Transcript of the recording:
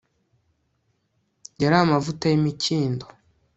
yari amavuta yimikindo